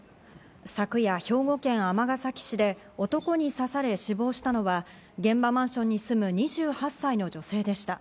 昨夜、兵庫県尼崎市で男に刺され死亡したのは現場マンションに住む２８歳の女性でした。